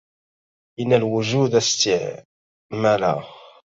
إن الوجود استعملا